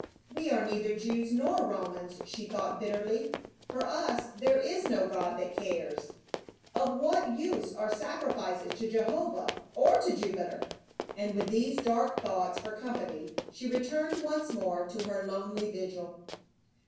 "We are neither Jews nor Romans," she thought bitterly, " for us there is no God that cares ; of what use are sacrifices to Jehovah or to Jupiter?" And with these dark thoughts for company she returned once more to her lonely vigil.